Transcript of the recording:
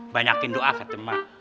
banyakin doa ke teman